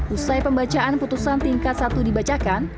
usai pembacaan putusan tingkat satu dibacakan